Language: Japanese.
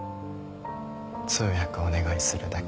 通訳お願いするだけ。